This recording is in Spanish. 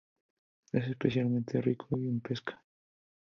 Es especialmente rico en pesca.